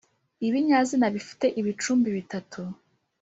ibinyazina bifite ibicumbi bitatu